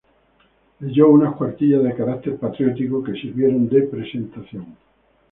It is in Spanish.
Leyó unas cuartillas de carácter patriótico, que sirvieron de presentación.